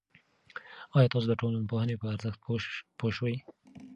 آیا تاسو د ټولنپوهنې په ارزښت پوه شوئ؟